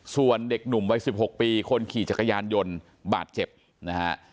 ส่วนเด็กหนุ่มวัย๑๖ปีคนขี่จักรยานยนต์บาดเจ็บนะฮะ